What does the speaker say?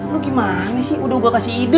lu gimana sih udah gue kasih ide